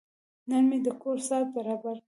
نن مې د کور ساعت برابر کړ.